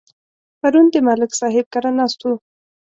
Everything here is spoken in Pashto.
پرون د ملک صاحب کره ناست وو.